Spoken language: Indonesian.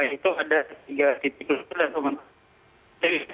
itu ada di tiju